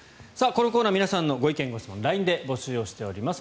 このコーナー皆さんのご意見・ご質問をＬＩＮＥで募集しております。